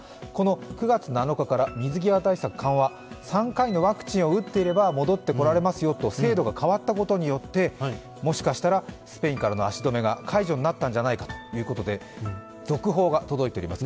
３回のワクチンを打っていれば帰って来られますよと制度が変わったことによってもしかしたら、スペインからの足止めが解除になったのではないかということで、続報が届いております。